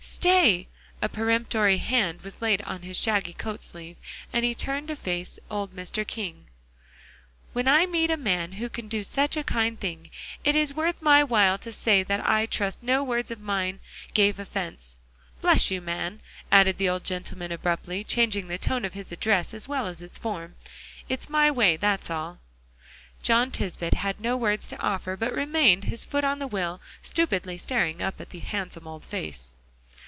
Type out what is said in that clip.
"Stay!" a peremptory hand was laid on his shaggy coat sleeve, and he turned to face old Mr. King. "When I meet a man who can do such a kind thing, it is worth my while to say that I trust no words of mine gave offense. Bless you, man!" added the old gentleman, abruptly changing the tone of his address as well as its form, "it's my way; that's all." John Tisbett had no words to offer, but remained, his foot on the wheel, stupidly staring up at the handsome old face.